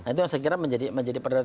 itu yang saya kira menjadi prioritas